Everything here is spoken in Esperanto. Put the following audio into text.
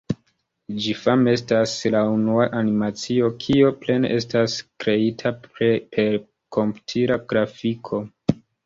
Ĝi fame estas la unua animacio, kio plene estas kreita per komputila grafiko.